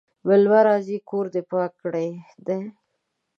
مېلمانه راځي کور دي پاک کړی دی؟